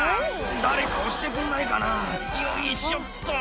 「誰か押してくんないかなよいしょっと」